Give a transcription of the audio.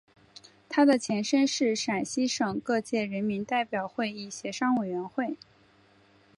它的前身是陕西省各界人民代表会议协商委员会。